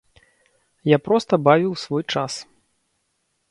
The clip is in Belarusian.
Я проста бавіў свой час.